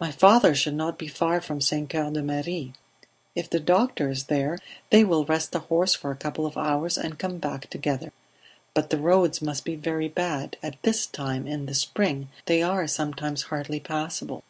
"My father should not be far from St. Coeur de Marie ... If the doctor is there they will rest the horse for a couple of hours and come back together. But the roads must be very bad; at this time, in the spring, they are sometimes hardly passable."